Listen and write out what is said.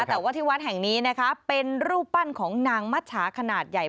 แต่ว่าที่วัดแห่งนี้นะคะเป็นรูปปั้นของนางมัชชาขนาดใหญ่